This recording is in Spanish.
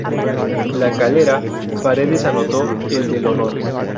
La Calera, Paredes anotó el del honor.